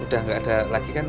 udah nggak ada lagi kan